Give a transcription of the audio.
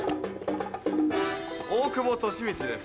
大久保利通です。